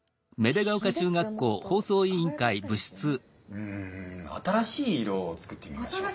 うん新しい色を作ってみましょうか。